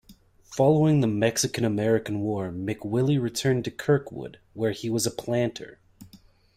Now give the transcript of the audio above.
Following the Mexican-American War, McWillie returned to Kirkwood, where he was a planter.